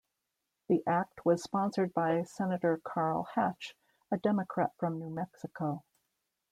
The Act was sponsored by Senator Carl Hatch, a Democrat from New Mexico.